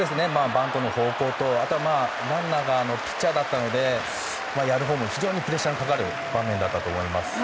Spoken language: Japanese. バントの方向と、あとはランナーがピッチャーだったのでやるほうも非常にプレッシャーがかかる場面だったと思います。